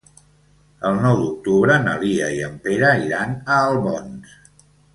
El nou d'octubre na Lia i en Pere iran a Albons.